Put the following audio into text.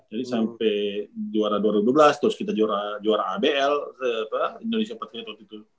jadi sampai juara dua ribu dua belas terus kita juara juara abl indonesia partnya waktu itu